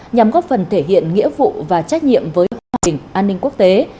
nhằm góp phần thể hiện nghĩa vụ và trách nhiệm với hòa bình an ninh quốc tế